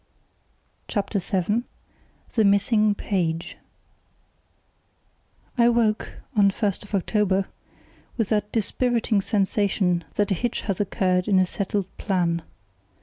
CHAPTER VII. The Missing Page I woke (on the 1st of October) with that dispiriting sensation that a hitch has occurred in a settled plan.